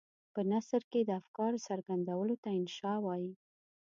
په نثر کې د افکارو څرګندولو ته انشأ وايي.